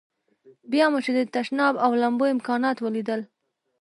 بیا مو چې د تشناب او لمبو امکانات ولیدل.